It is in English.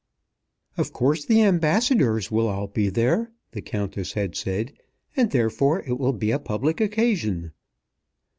"Of course the Ambassadors will all be there," the Countess had said, "and, therefore, it will be a public occasion."